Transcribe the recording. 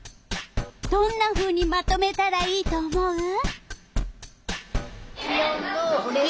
どんなふうにまとめたらいいと思う？